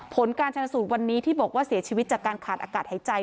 ผลการชนสูตรวันนี้ที่บอกว่าเสียชีวิตจากการขาดอากาศหายใจ